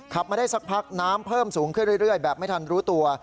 มาได้สักพักน้ำเพิ่มสูงขึ้นเรื่อยแบบไม่ทันรู้ตัว